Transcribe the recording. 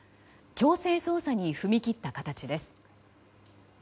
強制捜査に踏み切った形です。